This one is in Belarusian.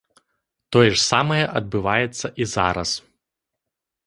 Тое ж самае адбываецца і зараз.